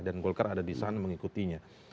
dan golkar ada di sana mengikutinya